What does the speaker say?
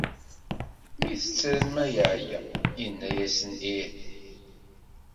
Mi t-ttren ma yeɛya, yenna-asen ih.